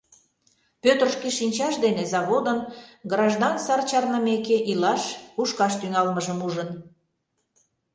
Пӧтыр шке шинчаж дене заводын, граждан сар чарнымеке, илаш, кушкаш тӱҥалмыжым ужын.